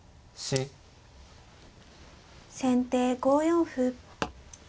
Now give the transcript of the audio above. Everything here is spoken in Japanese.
先手５四歩。